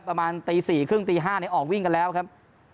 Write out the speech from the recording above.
ประมาณตี๔ครึ่งตี๕นี้ออกวิ่งกันแล้วครับ